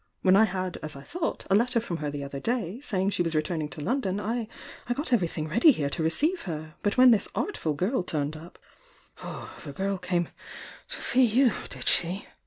When I had, as I thought, a letter from her the othfer day, saying she was returning to London, I got everything ready here to receive her— but when this artful girl turned up "^,„,,», "Oh, the girl came to see you, did she?